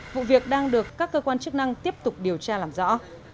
vụ việc đang được các cơ quan chức năng tiếp tục điều tra làm rõ